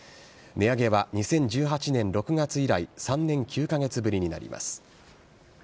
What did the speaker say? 値上げは２０１８年６月以来３年９カ月ぶりになります。